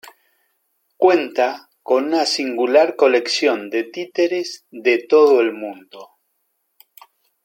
Cuenta con una singular colección de títeres de todo el mundo.